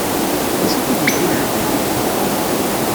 D-acu i k-id yewwin ar d-agi?